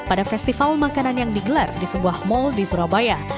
pada festival makanan yang digelar di sebuah mal di surabaya